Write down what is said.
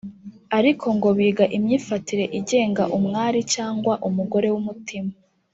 ariko ngo biga imyifatire igenga umwari cyangwa umugore w’umutima